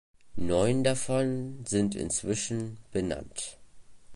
Neun davon sind inzwischen benannt.